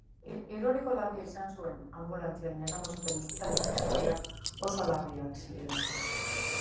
Eroriko larria izan zuen, anbulantzian eraman zuten ospitalera zauriak oso larriak zirelako.